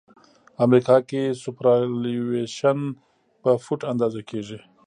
امریکا کې سوپرایلیویشن په فوټ اندازه کیږي